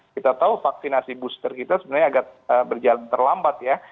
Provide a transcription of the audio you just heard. kita tahu vaksinasi booster kita sebenarnya agak berjalan terlambat ya